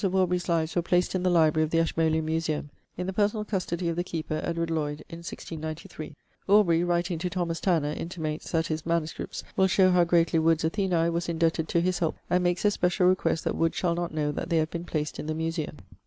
of Aubrey's 'Lives' were placed in the library of the Ashmolean Museum, in the personal custody of the Keeper, Edward Lhwyd, in 1693. Aubrey, writing to Thomas Tanner, intimates that his MSS. will show how greatly Wood's Athenae was indebted to his help, and makes a special request that Wood shall not know that they have been placed in the Museum.